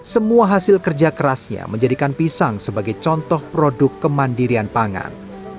semua hasil kerja kerasnya menjadikan pisang sebagai contoh produk kemandirian pangan